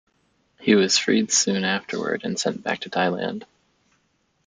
He was freed soon afterward and sent back to Thailand.